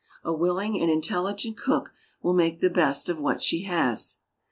A willing and intelligent cook will make the best of what she has.